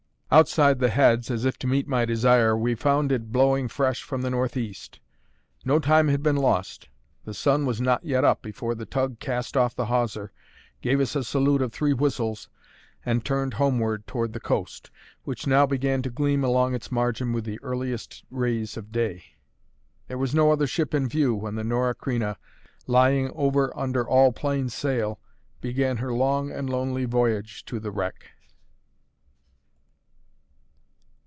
Outside the heads, as if to meet my desire, we found it blowing fresh from the northeast. No time had been lost. The sun was not yet up before the tug cast off the hawser, gave us a salute of three whistles, and turned homeward toward the coast, which now began to gleam along its margin with the earliest rays of day. There was no other ship in view when the Norah Creina, lying over under all plain sail, began her long and lonely voyage to the wreck.